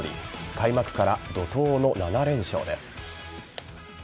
開幕から怒涛の７連勝です。